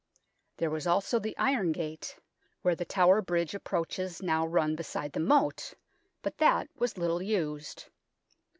There was also the Iron Gate, where the Tower Bridge approaches now run beside the moat, but that was little used.